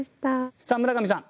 さあ村上さん